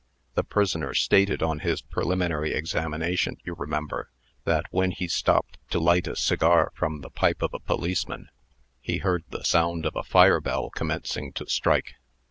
The prisoner stated, on his preliminary examination, you remember, that, when he stopped to light a cigar from the pipe of a policeman, he heard the sound of a fire bell commencing to strike.